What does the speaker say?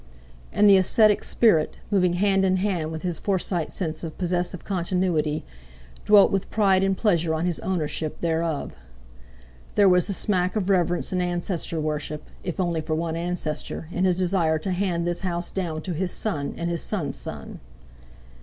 And the aesthetic spirit, moving hand in hand with his Forsyte sense of possessive continuity, dwelt with pride and pleasure on his ownership thereof. There was the smack of reverence and ancestor worship (if only for one ancestor) in his desire to hand this house down to his son and his son's son.